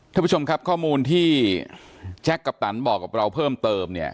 ท่านผู้ชมครับข้อมูลที่แจ็คกัปตันบอกกับเราเพิ่มเติมเนี่ย